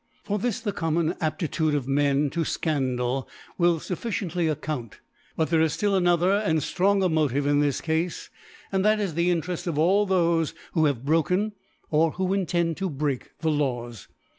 For this the common Aptitude of Men to Scandal will fufficiently account 5 but there is ftill another and ftronger Motive in this Cafe, and that is the Intereft of all thofe who have broken or who intend to break the Laws.